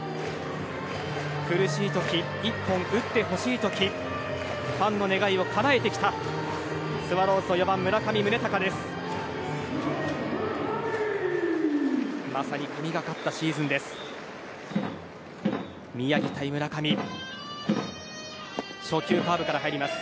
苦しい時、一本打ってほしい時ファンの願いをかなえてきたスワローズの４番、村上宗隆です。